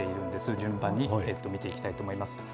順番に見ていきたいと思います。